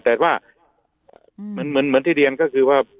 แต่ว่ามันเหมือนที่เรียนก็คือว่า